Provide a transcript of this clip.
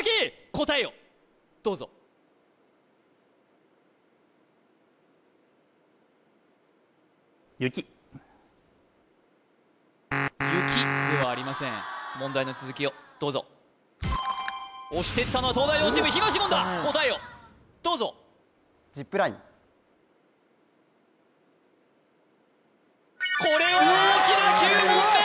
答えをどうぞ雪ではありません問題の続きをどうぞ押してったのは東大王チーム東言だ答えをどうぞこれは大きな９問目！